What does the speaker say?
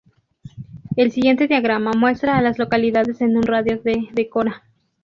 El siguiente diagrama muestra a las localidades en un radio de de Cora.